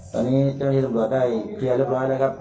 ตอนนี้เจ้าที่ตำรวจได้เคลียร์เรียบร้อยแล้วครับ